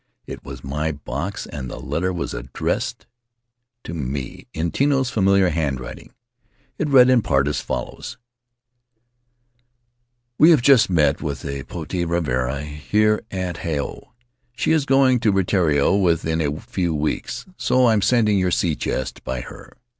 It was my box, and the letter was addressed to me in Tino's familiar handwriting. It read, in part, as follows: We have just met the Potii Ravarava here at Hao. She is going to Rutiaro within a few weeks, so I am sending your sea chest by her.